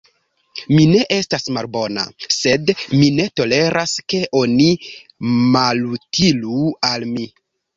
Mi ne estas malbona, sed mi ne toleras, ke oni malutilu al mi.